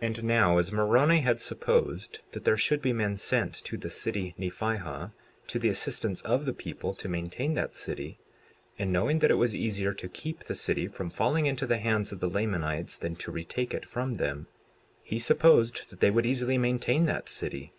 59:9 And now as Moroni had supposed that there should be men sent to the city Nephihah, to the assistance of the people to maintain that city, and knowing that it was easier to keep the city from falling into the hands of the Lamanites than to retake it from them, he supposed that they would easily maintain that city.